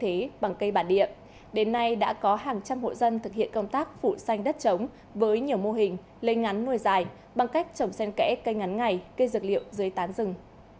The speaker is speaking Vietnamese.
thay thế bằng cây bản địa đến nay đã có hàng trăm hộ dân thực hiện công tác phụ xanh đất trống với nhiều mô hình lây ngắn nuôi dài bằng cách trồng sen kẽ cây ngắn ngày cây dược liệu dưới tán rừng